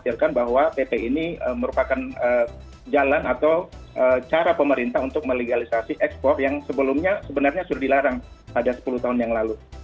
dihasilkan bahwa pp ini merupakan jalan atau cara pemerintah untuk melegalisasi ekspor yang sebelumnya sebenarnya sudah dilarang pada sepuluh tahun yang lalu